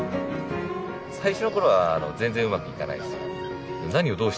最初の頃は全然うまくいかないですよ。